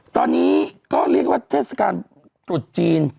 ตอนนี้ก็เรียกว่าเทศกาลตรุษจีน